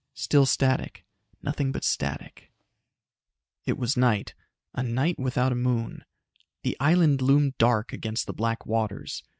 Still static. Nothing but static. It was night. A night without a moon. The island loomed dark against the black waters.